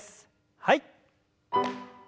はい。